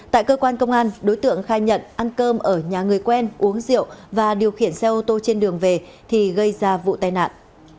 tại cơ quan công an đối tượng khai nhận ăn cơm ở nhà người quen uống rượu và điều khiển xe ô tô trên đường về thì gây ra vụ tai nạn